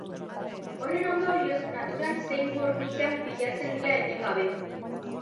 Horren ondorioz naturan zein gorputzean pilatzen dira etengabe.